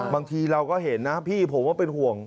บางทีเราก็เห็นนะพี่ผมว่าเป็นห่วง